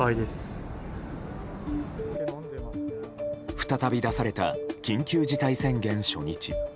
再び出された緊急事態宣言初日。